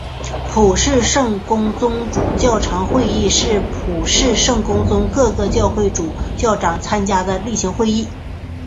普世圣公宗主教长会议是普世圣公宗各个教省主教长参加的例行会议。